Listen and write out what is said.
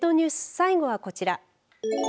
最後はこちら。